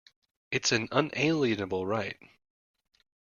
It's an unalienable right.